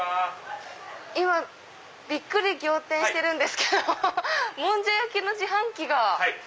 今びっくり仰天してるんですけどもんじゃ焼きの自販機が。